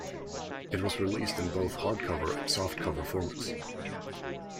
It was released in both hardcover and softcover formats.